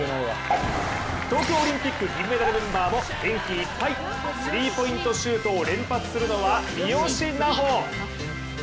東京オリンピック銀メダルメンバーも元気いっぱい、スリーポイントシュートを連発するのは三好南穂。